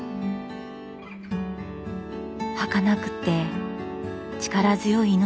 はかなくて力強い命。